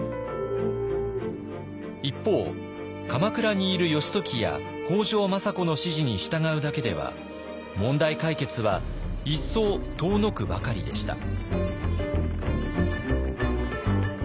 一方鎌倉にいる義時や北条政子の指示に従うだけでは問題解決は一層遠のくばかりでした。